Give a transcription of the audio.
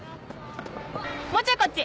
もうちょいこっち